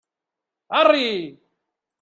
Arri!